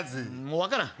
もう分からん！